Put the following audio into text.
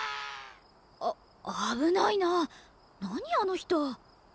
あ危ないな何あの人。